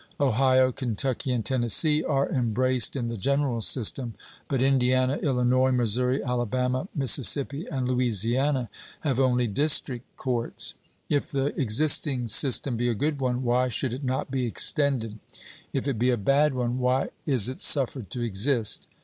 Ohio, Kentucky, and Tennessee are embraced in the general system, but Indiana, Illinois, Missouri, Alabama, Mississippi, and Louisiana have only district courts. If the existing system be a good one, why should it not be extended? If it be a bad one, why is it suffered to exist?